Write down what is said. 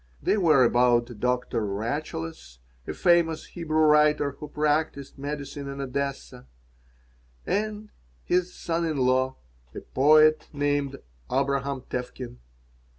They were about Doctor Rachaeles, a famous Hebrew writer who practised medicine in Odessa, and his son in law, a poet named Abraham Tevkin.